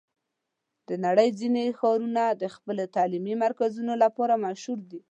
د نړۍ ځینې ښارونه د خپلو تعلیمي مرکزونو لپاره مشهور دي.